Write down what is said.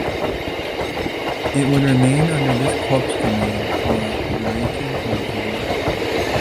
It would remain under this Corps command for the duration of the war.